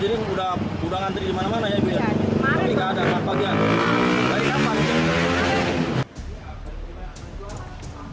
jadi gak ada kantri bagian